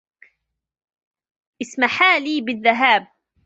اسمحالي بالذّهاب.